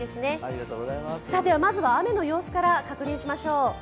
まずは雨の様子から確認しましょう。